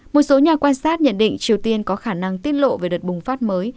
một số nhà quan sát nhận định triều tiên có khả năng tiết lộ về đợt bùng phát mới